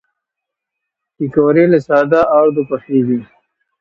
پکورې له ساده آردو پخېږي